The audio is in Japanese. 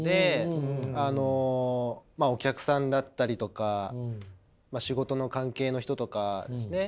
あのお客さんだったりとか仕事の関係の人とかですね。